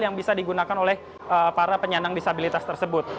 yang bisa digunakan oleh para penyandang disabilitas tersebut